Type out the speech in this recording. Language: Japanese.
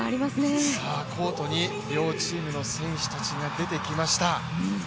コートに両チームの選手たちが出てきました。